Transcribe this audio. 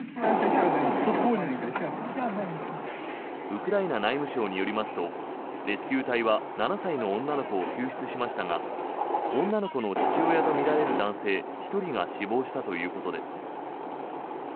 ウクライナ内務省によりますとレスキュー隊は７歳の女の子を救出しましたが女の子の父親とみられる男性１人が死亡したということです。